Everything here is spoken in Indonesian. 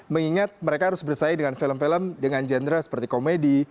mengingat mereka harus bersaing dengan film film dengan genre seperti komedi